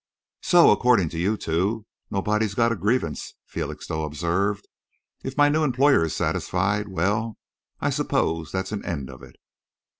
"So, according to you two, nobody's got a grievance," Felixstowe observed. "If my new employer's satisfied well, I suppose that's an end of it."